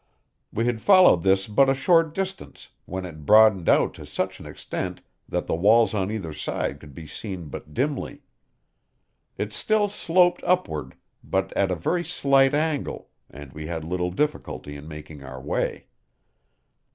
We had followed this but a short distance when it broadened out to such an extent that the walls on either side could be seen but dimly. It still sloped upward, but at a very slight angle, and we had little difficulty in making our way.